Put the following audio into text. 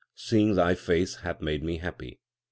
Seeing thy face hath made me happy.